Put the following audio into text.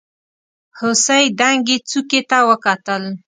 هوسۍ دنګې څوکې ته وکتل.